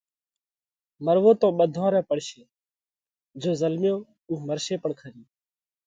مروو تو ٻڌون رئہ پڙشي، جيو زلميو اُو مرشي پڻ کرِي۔